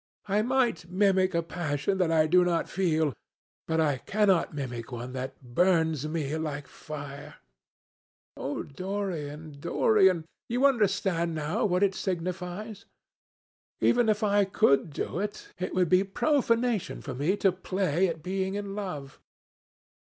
I might mimic a passion that I do not feel, but I cannot mimic one that burns me like fire. Oh, Dorian, Dorian, you understand now what it signifies? Even if I could do it, it would be profanation for me to play at being in love.